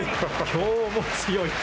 きょうも強い。